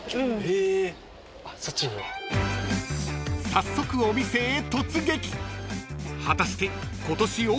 ［早速お店へ突撃］